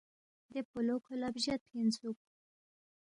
دے پولو کھو لہ بجیدفی اِنسُوک